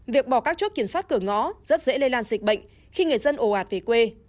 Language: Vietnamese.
việc bỏ các chốt kiểm soát cửa ngõ rất dễ lây lan dịch bệnh khi người dân ồ ạt về quê